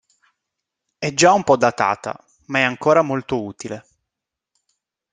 È già un po' datata, ma è ancora molto utile.